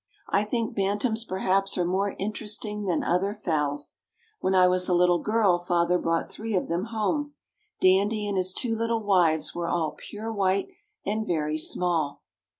I think bantams perhaps are more interesting than other fowls. When I was a little girl father brought three of them home. Dandy and his two little wives were all pure white and very small.